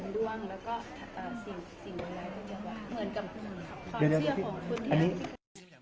ทุติยังปิตพุทธธาเป็นที่พึ่ง